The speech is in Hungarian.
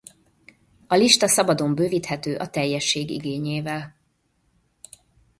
A lista szabadon bővíthető a teljesség igényével.